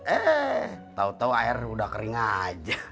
eh tau tau air udah kering aja